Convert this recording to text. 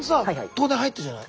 東大入ったじゃない。